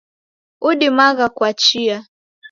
Udimagha kwa chia